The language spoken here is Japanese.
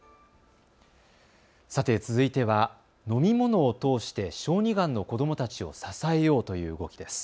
さて続いては飲み物を通して小児がんの子どもたちを支えようという動きです。